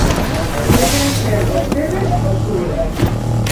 Deben ser vostedes os únicos.